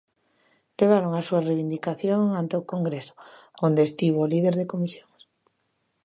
Levaron as súas reivindicación ante o Congreso, onde estivo o líder de Comisións.